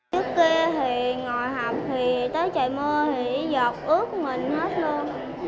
trước kia thì ngồi học thì tới trời mưa thì giọt ướp mình hết luôn